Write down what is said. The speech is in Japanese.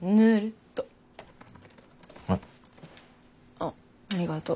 あっありがとう。